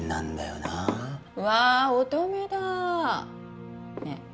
なわ乙女だねえ